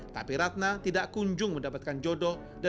tapi ratna tidak kunjung mendapatkan kemampuan untuk mencari kemampuan